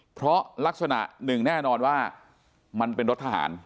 เพราะลักษณะหนึ่งแน่นอนว่ามันเป็นรถทหาร